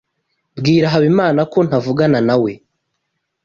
Bwira Habimana ko ntavugana nawe.